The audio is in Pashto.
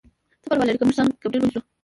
څه پروا لري که موږ سان ګبریل ونیسو؟